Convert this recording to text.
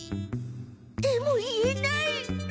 でも言えない。